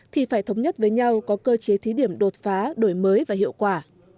thì phải thống nhất với nhau có cơ chế thí điểm đột phá đổi mới và hiệu quả